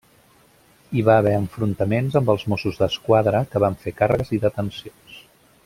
Hi va haver enfrontaments amb els Mossos d'Esquadra, que van fer càrregues i detencions.